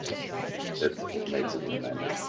That's what makes it romantic.